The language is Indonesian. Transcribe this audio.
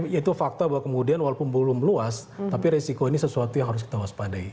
yaitu fakta bahwa kemudian walaupun belum meluas tapi resiko ini sesuatu yang harus kita waspadai